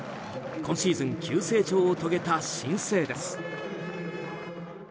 今シーズン急成長を遂げた新星です。